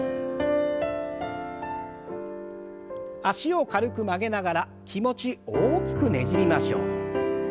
脚を軽く曲げながら気持ち大きくねじりましょう。